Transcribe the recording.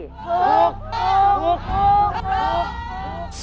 ถูก